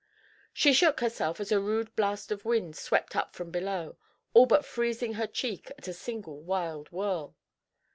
She shook herself as a rude blast of wind swept up from below, all but freezing her cheek at a single wild whirl.